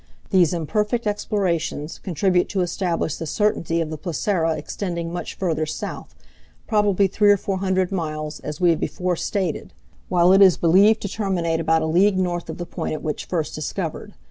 These imperfect explorations contribute to establish the certainty of the placera extending much further south, probably three or four hundred miles, as we have before stated, while it is believed to terminate about a league north of the point at which first discovered.